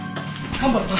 蒲原さん